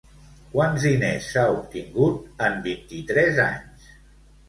Quants diners s'ha obtingut en vint-i-tres anys?